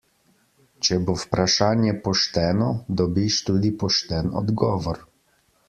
Če bo vprašanje pošteno, dobiš tudi pošten odgovor!